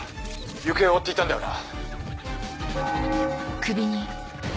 行方を追っていたんだよな？